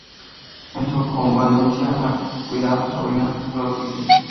En su convalecencia le cuida su sobrina "Clotilde".